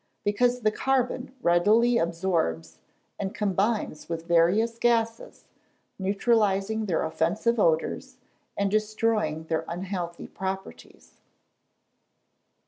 _ Because the carbon readily absorbs, and combines with various gases, neutralising their offensive odours, and destroying their unhealthy properties.